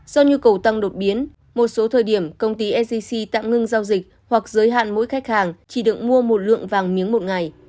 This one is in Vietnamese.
do nhu cầu tăng đột biến một số thời điểm công ty sgc tạm ngưng giao dịch hoặc giới hạn mỗi khách hàng chỉ được mua một lượng vàng miếng một ngày